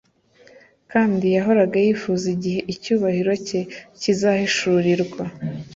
kandi yarahoraga yifuza igihe icyubahiro cye kizahishurirwa